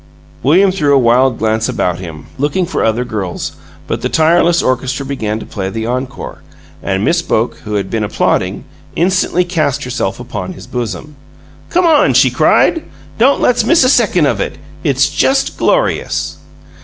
William threw a wild glance about him, looking for other girls, but the tireless orchestra began to play the encore, and Miss Boke, who had been applauding, instantly cast herself upon his bosom. "Come on!" she cried. "Don't let's miss a second of it; It's just glorious!"